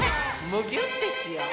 むぎゅってしよう！